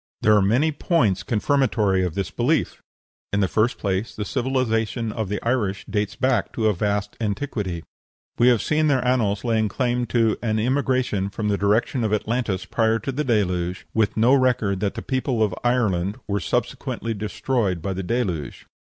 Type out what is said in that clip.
There are many points confirmatory of this belief. In the first place, the civilization of the Irish dates back to a vast antiquity. We have seen their annals laying claim to an immigration from the direction of Atlantis prior to the Deluge, with no record that the people of Ireland were subsequently destroyed by the Deluge.